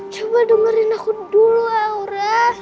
coba dengerin aku dulu aura